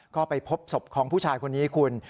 ก็ไปพบศพของผู้ชายคนนี้คุณ